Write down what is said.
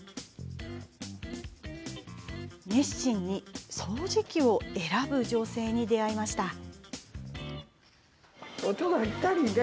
熱心に掃除機を選ぶ女性に出会いました。